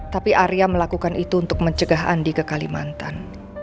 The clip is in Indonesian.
tapi arya melakukan itu untuk mencegah andi ke kalimantan